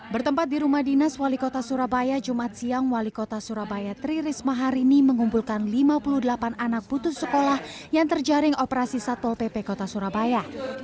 bertempat di rumah dinas wali kota surabaya jumat siang wali kota surabaya tri risma hari ini mengumpulkan lima puluh delapan anak putus sekolah yang terjaring operasi satpol pp kota surabaya